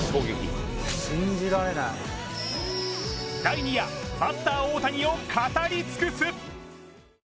第２夜、バッター・大谷を語り尽くす！